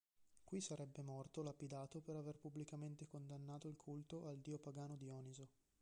Qui sarebbe morto lapidato per aver pubblicamente condannato il culto al dio pagano Dioniso.